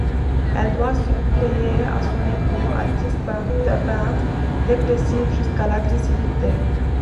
Elle doit suppléer à son époux, artiste peintre, dépressif jusqu’à l’agressivité.